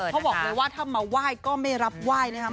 เขาบอกเลยว่าถ้ามาไหว้ก็ไม่รับไหว้นะครับ